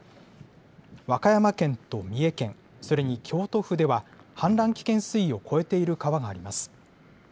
和歌山県と三重県、それに京都府では、氾濫危険水位を超えている川があります。